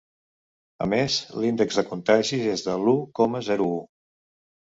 A més, l’índex de contagis és de l’u coma zero u.